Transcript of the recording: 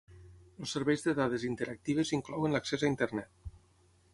Els serveis de dades interactives inclouen l'accés a Internet.